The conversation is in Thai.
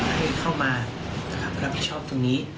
ให้เข้ามารับผิดชอบตรงนี้